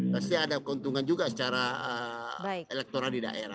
pasti ada keuntungan juga secara elektoral di daerah